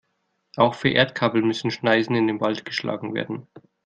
Auch für Erdkabel müssen Schneisen in den Wald geschlagen werden.